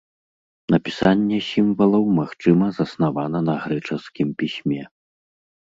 Напісанне сімвалаў, магчыма, заснавана на грэчаскім пісьме.